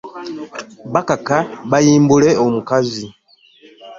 Baakaka bba ayimbule omukazi.